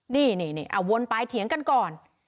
นี่นี่นี่อ่ะวนไปเถียงกันก่อน